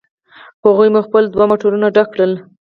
په هغوی مو خپل دوه موټرونه ډک کړل.